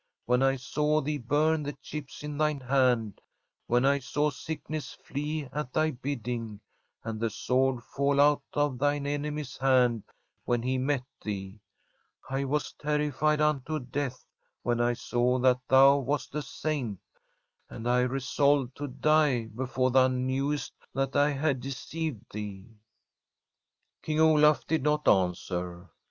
When I saw thee burn the chips in thine hand, when I saw sick ness flee at thy bidding, and the sword fall out of thine enemy's hand when he met thee, I was terrified unto death when I saw that thou wast a Saint, and I resolved to die before thou knewest that I had deceived thee.' King Olaf did not answer.